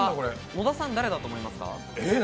野田さん、誰だと思いますか？